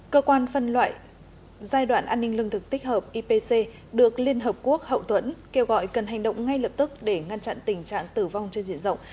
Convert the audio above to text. cơ quan phân loại giai đoạn an ninh lương thực tích hợp ipc được liên hợp quốc hậu tuẫn kêu gọi cần hành động ngay lập tức để ngăn chặn tình trạng tử vong trên diện rộng